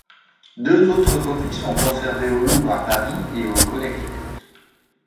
Deux autres copies sont conservées au Louvre à Paris et au Connecticut.